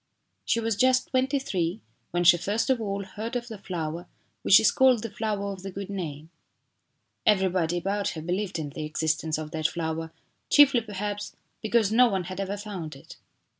She was just twenty three when she first of all heard of the flower which is called the flower of the good name. Everybody about her believed in the existence of that flower, chiefly, perhaps because no one had ever found it.